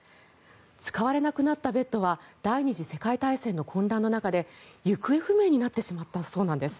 使われなくなったベッドは第２次世界大戦の混乱の中で行方不明になってしまったそうなんです。